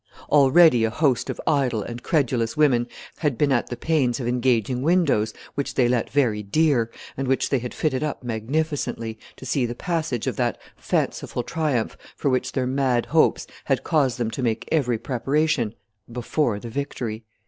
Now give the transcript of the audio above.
Already a host of idle and credulous women had been at the pains of engaging windows, which they let very dear, and which they had fitted up magnificently, to see the passage of that fanciful triumph for which their mad hopes had caused them to make every preparation before the victory."